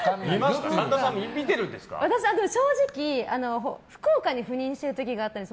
私、正直福岡に赴任している時があったんです。